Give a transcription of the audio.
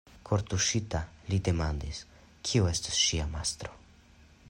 Kortuŝita, li demandis, kiu estas ŝia mastro.